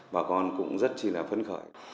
bà con cũng rất là phấn khởi